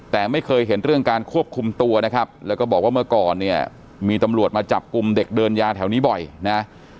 แต่ไม่เคยเห็นเรื่องการควบคุมตัวนะครับแล้วก็บอกว่าเมื่อก่อนเนี่ยมีตำรวจมาจับกลุ่มเด็กเดินยาแถวนี้บ่อยนะ